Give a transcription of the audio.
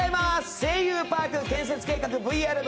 「声優パーク建設計画ＶＲ部」。